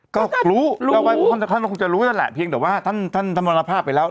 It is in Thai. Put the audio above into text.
ก็รู้ท่านคงจะรู้นั่นแหละเพียงแต่ว่าท่านธรรมนภาพไปแล้ว